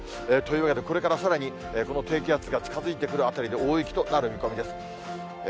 というわけで、これからさらに、この低気圧が近づいてくるあたりで大雪となる見込みです。